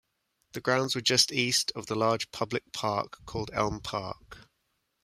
The grounds were just east of the large public park called Elm Park.